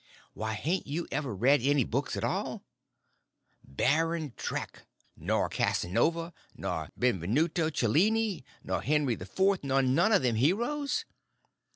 Why, hain't you ever read any books at all?—Baron Trenck, nor Casanova, nor Benvenuto Chelleeny, nor Henri IV., nor none of them heroes?